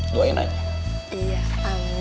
udah percaya sama papi